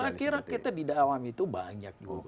saya kira kita di dalam itu banyak dong